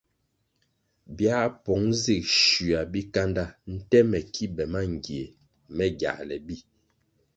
Biā bong zig schua bikanda nte me ki be mangie me giāle bi.